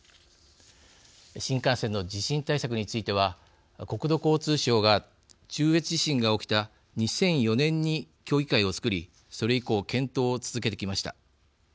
新幹線の地震対策については国土交通省が中越地震が起きた２００４年に協議会をつくりそれ以降、検討を続けてきました。